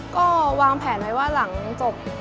ก็วางแผนไว้ว่าหลังจบ